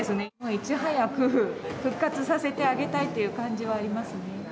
いち早く復活させてあげたいっていう感じはありますね。